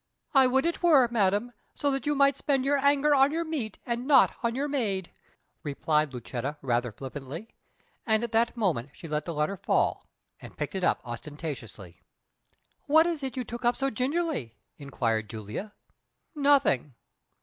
"I would it were, madam, so that you might spend your anger on your meat, and not on your maid," replied Lucetta rather flippantly; and at that moment she let the letter fall, and picked it up ostentatiously. "What is it you took up so gingerly?" inquired Julia. "Nothing."